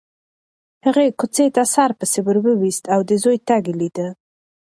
هغې کوڅې ته سر پسې وروایست او د زوی تګ یې لیده.